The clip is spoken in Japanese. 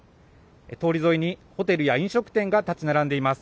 通り沿いにホテルや飲食店が建ち並んでいます。